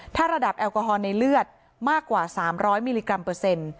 ถ้าระดับแอลกอฮอล์ในเลือดมากกว่า๓๐๐มิลลิกรัมเปอร์เซ็นต์